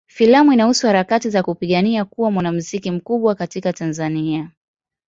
Filamu inahusu harakati za kupigania kuwa mwanamuziki mkubwa katika Tanzania.